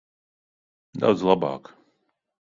Daudz labāk.